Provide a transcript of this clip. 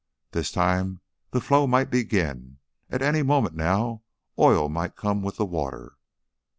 This time the flow might begin; at any moment now oil might come with the water.